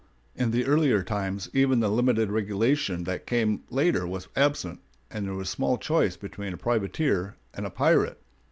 In the earlier times even the limited regulation that came later was absent, and there was small choice between a privateer and a pirate.